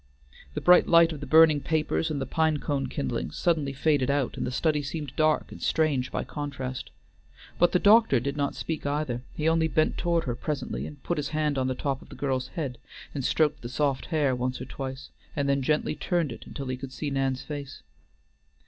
The bright light of the burning papers and the pine cone kindlings suddenly faded out and the study seemed dark and strange by contrast; but the doctor did not speak either; he only bent towards her presently, and put his hand on the top of the girl's head and stroked the soft hair once or twice, and then gently turned it until he could see Nan's face.